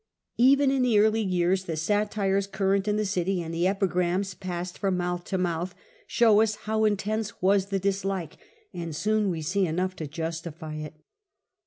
Even in the early years the satires current in the city and the epigrams passed from mouth to mouth show us how intense was the dislike; and soon we see enough to justify it.